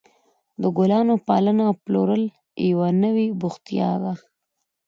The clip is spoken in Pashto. د ګلانو پالنه او پلورل یوه نوې بوختیا ده.